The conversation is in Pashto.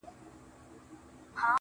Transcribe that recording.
چي کله ستا د حسن په جلوه کي سره ناست و,